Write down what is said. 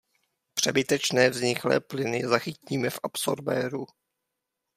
Přebytečné vzniklé plyny zachytíme v absorbéru.